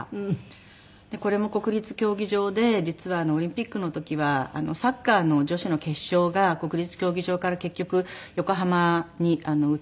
これも国立競技場で実はオリンピックの時はサッカーの女子の決勝が国立競技場から結局横浜に移ってしまって。